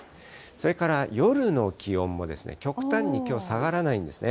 それから夜の気温も、極端にきょう、下がらないんですね。